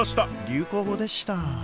流行語でした。